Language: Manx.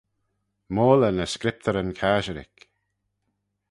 Moylley ny Scriptyryn Casherick.